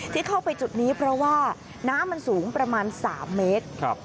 ที่เข้าไปจุดนี้เพราะว่าน้ำมันสูงประมาณ๓เมตร